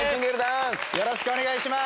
よろしくお願いします。